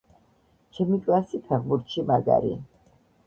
ჩემი კლასი ფეხბურთში მაგარი